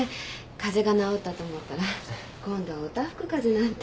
風邪が治ったと思ったら今度はおたふく風邪なんて。